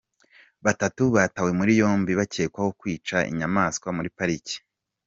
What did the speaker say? Batatu batawe muri yombi bakekwaho kwica inyamaswa muri pariki